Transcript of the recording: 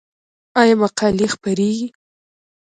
آیا مقالې خپریږي؟